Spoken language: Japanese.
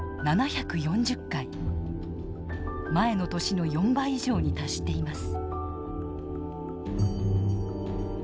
前の年の４倍以上に達しています。